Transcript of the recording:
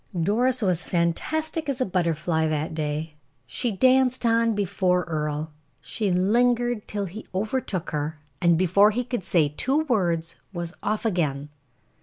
Doris was fantastic as a butterfly that day. She danced on before Earle. She lingered till he overtook her, and before he could say two words, was off again.